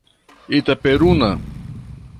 Itaperuna